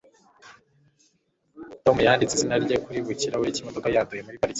tom yanditse izina rye kuri buri kirahure cyimodoka yanduye muri parikingi